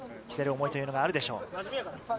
期する思いというのがあるでしょう。